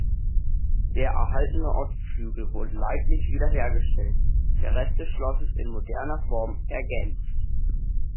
Der erhaltene Ostflügel wurde leidlich wiederhergestellt, der Rest des Schlosses in moderner Form „ergänzt“.